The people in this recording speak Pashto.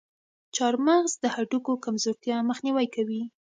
چارمغز د هډوکو کمزورتیا مخنیوی کوي.